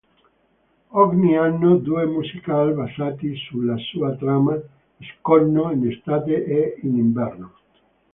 Ogni anno due musical basati sulla sua trama escono in estate e in inverno.